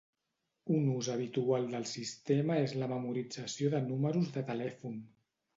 Un ús habitual del sistema és la memorització de números de telèfon.